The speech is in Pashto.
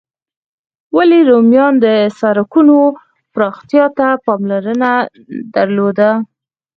ولي رومیانو د سړکونو پراختیا ته پاملرنه درلوده؟